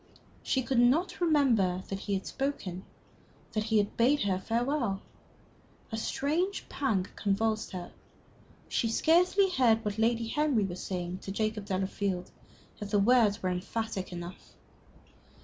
She could not remember that he had spoken that he had bade her farewell. A strange pang convulsed her. She scarcely heard what Lady Henry was saying to Jacob Delafield. Yet the words were emphatic enough.